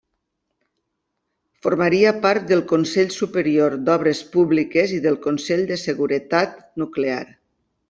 Formaria part del Consell Superior d'Obres Públiques i del Consell de Seguretat Nuclear.